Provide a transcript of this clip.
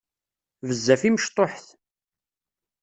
Bezzaf i mecṭuḥet.